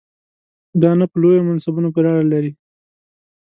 دا نه په لویو منصبونو پورې اړه لري.